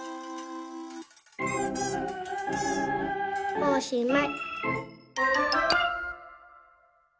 おしまい！